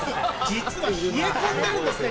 実は冷え込んでるんですね